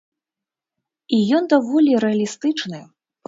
І ён даволі рэалістычны.